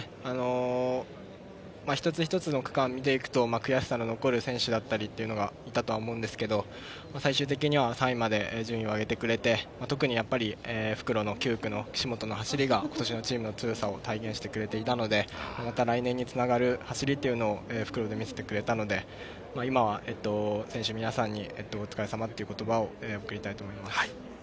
一つ一つの区間を見ていくと悔しさが残る選手だったりいたと思うんですけれど、最終的に３位まで順位を上げてくれて、特にやっぱり復路の９区の岸本の走りが今年のチームの強さを体現してくれていたので来年に繋がる走りを復路で見せてくれたので今は選手、皆さんにお疲れさまという言葉を贈りたいと思います。